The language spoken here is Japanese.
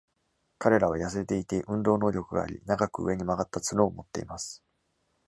彼らは痩せていて、運動能力があり、長く上に曲がったツノを持っています。